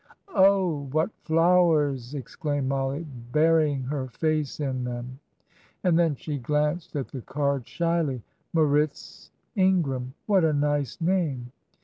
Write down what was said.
"Oh, what flowers!" exclaimed Mollie, burying her face in them; and then she glanced at the card shyly. "Moritz Ingram." What a nice name!